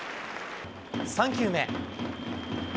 ３球目。